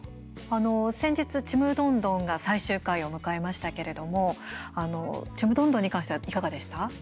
先日、「ちむどんどん」が最終回を迎えましたけれども「ちむどんどん」に関してはいかがでした？